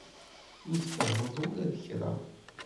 Ur tfehhmeḍ ula d kra.